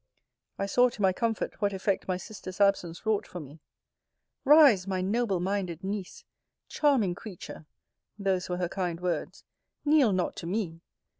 I saw, to my comfort, what effect my sister's absence wrought for me. Rise, my noble minded Niece! Charming creature! [those were her kind words] kneel not to me!